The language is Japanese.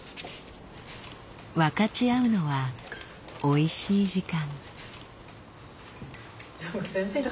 分かち合うのはおいしい時間。